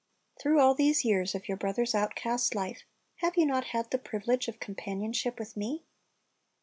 Through all these years of your brother's outcast life, have you not had the privilege of companionship with me?